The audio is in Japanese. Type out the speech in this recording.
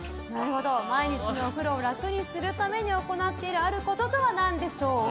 毎日のお風呂を楽にするために行っているあることとは何でしょうか。